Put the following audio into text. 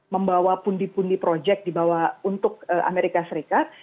membawa pundi pundi projek untuk amerika serikat